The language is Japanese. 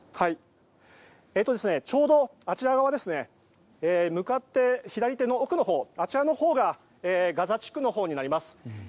ちょうどあちら側向かって左手の奥のほうがガザ地区のほうになります。